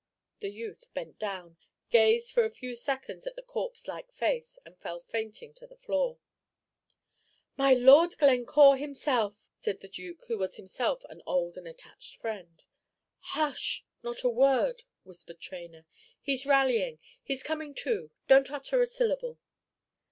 The youth bent down, gazed for a few seconds at the corpse like face, and fell fainting to the floor. "My Lord Glencore himself!" said the Duke, who was himself an old and attached friend. "Hush! not a word," whispered Traynor; "he 's rallyin' he 's comin' to; don't utter a syllable."